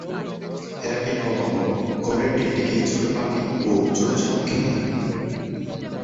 এরা কীটপতঙ্গ, ঘরের টিকটিকি ছোট পাখি ও ছোট সাপ খেয়ে থাকে।